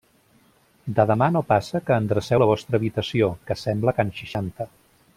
De demà no passa que endreceu la vostra habitació, que sembla can Seixanta!